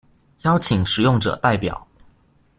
邀請使用者代表